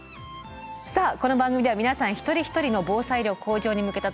さあこの番組では皆さん一人一人の防災力向上に向けた取り組み